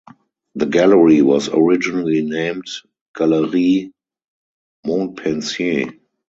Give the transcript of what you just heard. The gallery was originally named "Galerie Montpensier".